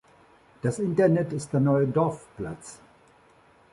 Das Internet ist der neue Dorfplatz.